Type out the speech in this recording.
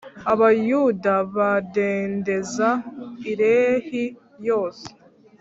Abayuda badendeza i Lehi yose.